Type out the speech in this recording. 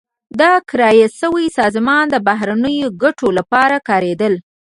دا کرایه شوې سازمان د بهرنیو ګټو لپاره کارېدل.